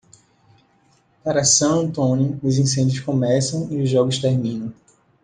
Para San Antonio, os incêndios começam e os jogos terminam.